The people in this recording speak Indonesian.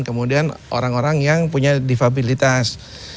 kemudian orang orang yang punya difabilitas